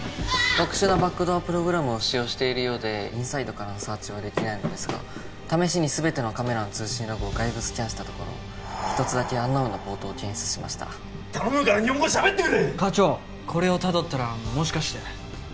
特殊なバックドアプログラムを使用しているようでインサイドからのサーチはできないのですが試しに全てのカメラの通信ログを外部スキャンしたところ一つだけアンナウなポートを検出しました頼むから日本語しゃべってくれ！